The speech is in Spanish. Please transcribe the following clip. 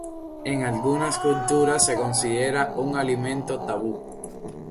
En algunas culturas es considerado un alimento tabú.